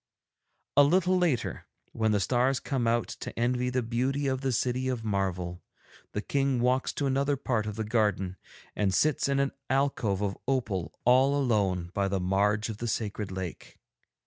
'A little later, when the stars come out to envy the beauty of the City of Marvel, the King walks to another part of the garden and sits in an alcove of opal all alone by the marge of the sacred lake.